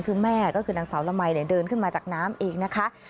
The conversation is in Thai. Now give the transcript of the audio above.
คือแม่ก็คือนางสาวละมัยเดินขึ้นมาจากน้ำเองนะคะ